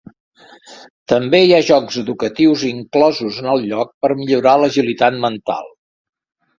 També hi ha jocs educatius inclosos en el lloc per millorar l'agilitat mental.